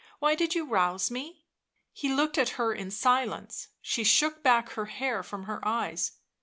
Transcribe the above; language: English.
"Why did you rouse me?" He looked at her in silence; she shook back her hair from her eyes.